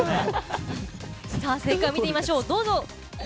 正解を見てみましょう。